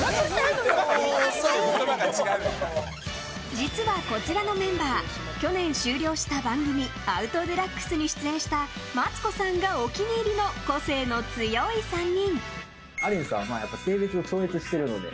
実は、こちらのメンバー去年終了した番組「アウト×デラックス」に出演したマツコさんがお気に入りの個性の強い３人。